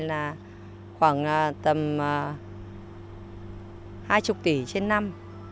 là khoảng tầm hai mươi tỷ trên năm